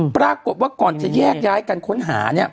ปรากฏว่าก่อนจะแยกย้ายกันค้นหาเนี่ย